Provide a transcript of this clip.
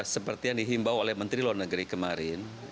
seperti yang dihimbau oleh menteri luar negeri kemarin